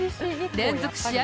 連続試合